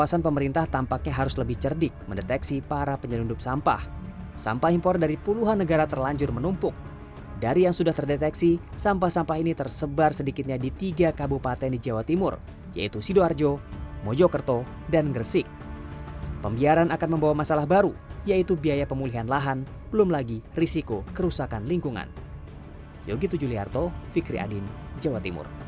kertas bekas ini tidak hanya memiliki kertas bekas tetapi juga memiliki kertas yang berbeda